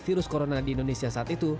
virus corona di indonesia saat itu